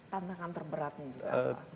tantangan terberatnya juga